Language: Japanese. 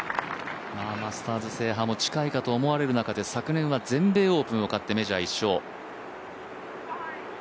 マスターズ制覇も近いかと思われる中で、昨年は全米オープンを勝ってメジャー１勝。